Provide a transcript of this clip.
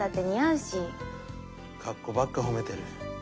格好ばっか褒めてる。